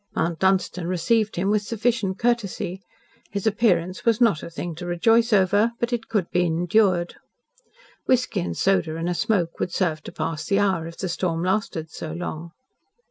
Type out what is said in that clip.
Mount Dunstan received him with sufficient courtesy. His appearance was not a thing to rejoice over, but it could be endured. Whisky and soda and a smoke would serve to pass the hour, if the storm lasted so long.